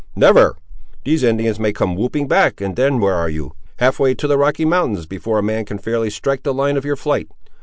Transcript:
"Never! These Indians may come whooping back, and then where are you! Half way to the Rocky Mountains before a man can fairly strike the line of your flight.